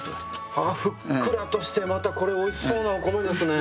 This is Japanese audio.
ああふっくらとしてまたこれおいしそうなお米ですねぇ。